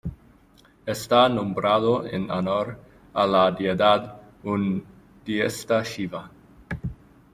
Está nombrado en honor a la deidad hinduista Shiva.